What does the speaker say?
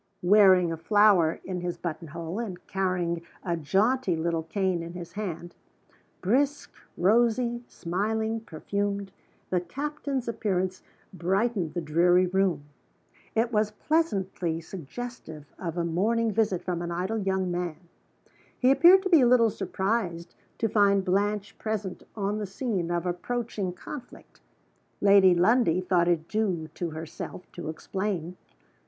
Wearing a flower in his buttonhole, and carrying a jaunty little cane in his hand brisk, rosy, smiling, perfumed the captain's appearance brightened the dreary room. It was pleasantly suggestive of a morning visit from an idle young man. He appeared to be a little surprised to find Blanche present on the scene of approaching conflict. Lady Lundie thought it due to herself to explain.